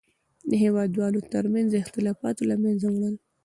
د هېوادوالو تر منځ اختلافاتو له منځه وړل.